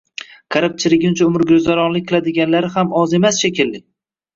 Qarib-churuguncha umrguzaronlik qiladiganlari ham oz emas shekilli.